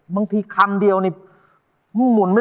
ตราบที่ทุกลมหายใจขึ้นหอดแต่ไอ้นั้น